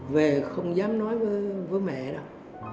về không dám nói với mẹ đâu